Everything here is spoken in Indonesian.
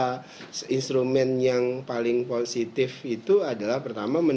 karena instrumen yang paling positif itu adalah pertama